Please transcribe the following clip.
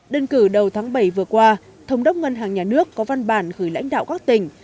đơn cử đầu tháng bảy vừa qua thống đốc ngân hàng nhà nước có văn bản gửi lãnh đạo các tỉnh